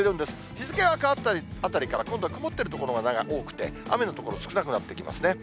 日付が変わったあたりから、今度は曇っている所が多くて、雨の所、少なくなってきますね。